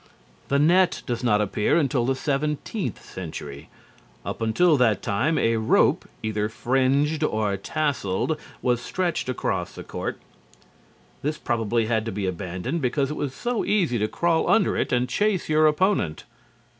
The net does not appear until the 17th century. Up until that time a rope, either fringed or tasseled, was stretched across the court. This probably had to be abandoned because it was so easy to crawl under it and chase your opponent.